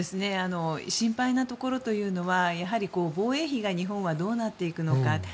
心配なところというのは防衛費が日本はどうなっていくのか。